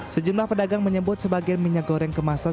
sejumlah pedagang menyebut sebagian minyak goreng kemasan